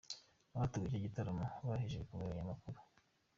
Abateguye icyo gitaramo baheje bikomeye abanyamakuru.